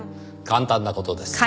簡単な事です。